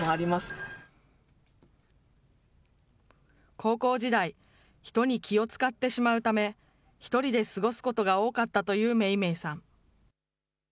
高校時代、人に気を遣ってしまうため、１人で過ごすことが多かったというめいめいさん。